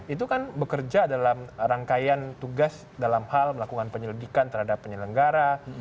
itu kan bekerja dalam rangkaian tugas dalam hal melakukan penyelidikan terhadap penyelenggara